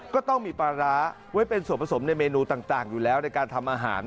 ก็ต้องมีปลาร้าไว้เป็นส่วนผสมในเมนูต่างอยู่แล้วในการทำอาหาร